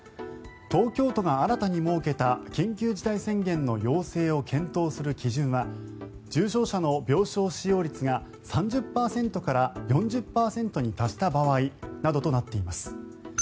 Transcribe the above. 東京都が新たに設けた緊急事態宣言の要請を検討する基準は重症者の病床使用率が３０％から４０％に達した場合などとなっています。